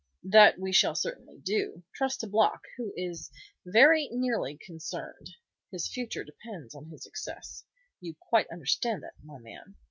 "That we shall certainly do. Trust to Block, who is very nearly concerned. His future depends on his success. You quite understand that, my man?"